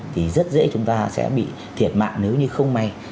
thì rất dễ chúng ta sẽ bị thiệt mạng nếu như không may